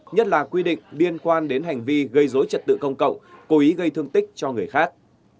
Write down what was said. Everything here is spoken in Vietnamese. nhất là quy định liên quan đến hành vi gây dối trật tự công cộng cố ý gây thương tích cho người khác